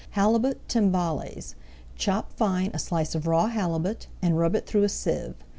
HALIBUT TIMBALES Chop fine a slice of raw halibut, and rub it through a sieve.